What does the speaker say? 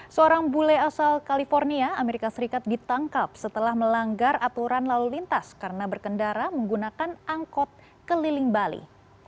seorang bule asal california amerika serikat ditangkap setelah melanggar aturan lalu lintas karena berkendara menggunakan angkot keliling bali